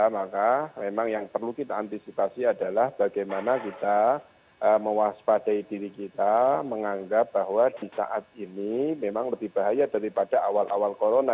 maka memang yang perlu kita antisipasi adalah bagaimana kita mewaspadai diri kita menganggap bahwa di saat ini memang lebih bahaya daripada awal awal corona